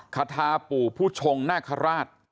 คาทาปู่ผู้ชงนาคาราช